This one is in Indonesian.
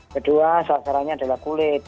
kedua sasarannya adalah kulit